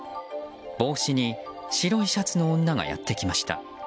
帽子に白いシャツの女がやってきました。